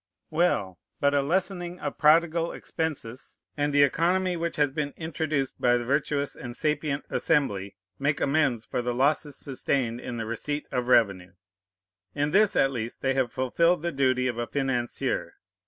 Well! but a lessening of prodigal expenses, and the economy which has been introduced by the virtuous and sapient Assembly, make amends for the losses sustained in the receipt of revenue. In this at least they have fulfilled the duty of a financier.